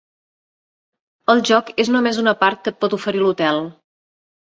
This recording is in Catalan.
El joc és només una part que et pot oferir l'hotel.